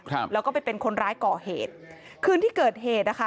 ครับแล้วก็ไปเป็นคนร้ายก่อเหตุคืนที่เกิดเหตุนะคะ